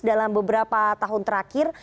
dalam beberapa tahun terakhir